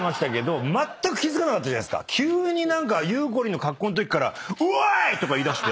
急に何かゆうこりんの格好のときから「うぉーい！」とか言いだして。